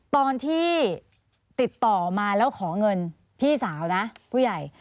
ตอนที่ติดต่อมาแล้วขอเงินพี่สาวนะผู้ใหญ่